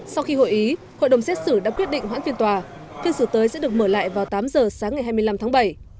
sau khi hội ý hội đồng xét xử đã quyết định hoãn phiên tòa phiên xử tới sẽ được mở lại vào tám giờ sáng ngày hai mươi năm tháng bảy